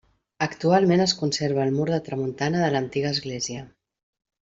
Actualment es conserva el mur de tramuntana de l'antiga església.